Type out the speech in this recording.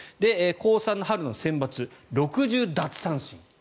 高３の春のセンバツ６０奪三振。